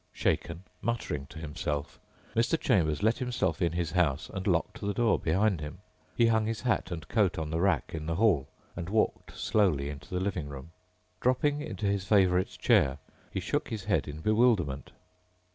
Shaken, muttering to himself, Mr. Chambers let himself in his house and locked the door behind him. He hung his hat and coat on the rack in the hall and walked slowly into the living room. Dropping into his favorite chair, he shook his head in bewilderment.